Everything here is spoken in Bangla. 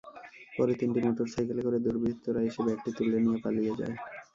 পরে তিনটি মোটরসাইকেলে করে দুর্বৃত্তরা এসে ব্যাগটি তুলে নিয়ে পালিয়ে যায়।